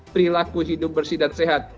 perilaku hidup bersih dan sehat